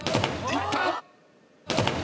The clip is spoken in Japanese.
いった！